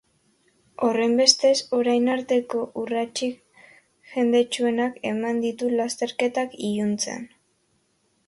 Horrenbestez, orain arteko urratsik jendetsuenak eman ditu lasterketak iluntzean.